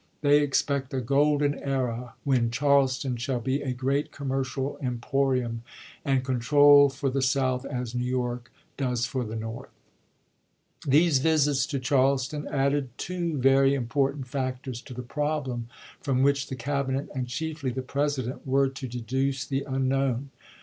They expect a Huribut to golden era, when Charleston shall be a great commercial Report,' emporium and control for the South, as New York does Mar.27,1861. „ r,, ,T ,, ms. for the North. These visits to Charleston added two very im portant factors to the problem from which the Cabinet, and chiefly the President, were to deduce the unknown.